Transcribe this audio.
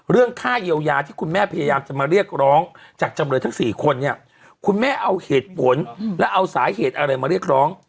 เรื่องค่าเยียวยาที่คุณแม่พยายามจะมาเรียกร้องจากจำเลยทั้ง๔คนเนี่ยคุณแม่เอาเหตุผลและเอาสาเหตุอะไรมาเรียกร้อง